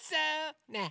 ねえ